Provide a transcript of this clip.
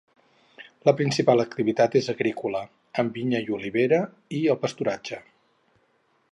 La principal activitat és agrícola, amb vinya i olivera, i el pasturatge.